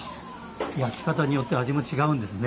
焼き方によって味も違うんですね。